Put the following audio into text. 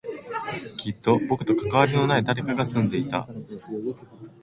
きっと僕と関わりのない誰かが住んでいた